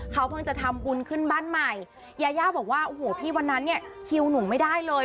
เขาเพิ่งจะทำบุญขึ้นบ้านใหม่ยาย่าบอกว่าโอ้โหพี่วันนั้นเนี่ยคิวหนูไม่ได้เลย